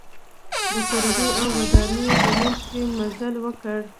د کورونو او ودانیو په منځ کې مزل وکړ.